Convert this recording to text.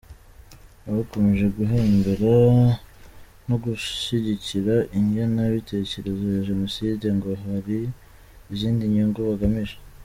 Abakomeje guhembera no gushyigikira ingengabitekerezo ya Jenoside ngo hari izindi nyungu bagamije.